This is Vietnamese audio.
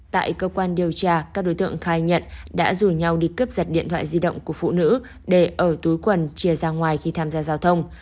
tại cơ quan điều tra các đối tượng khai nhận đã rủ nhau đi cướp giật điện thoại di động của phụ nữ để ở túi quần chia ra ngoài khi tham gia giao thông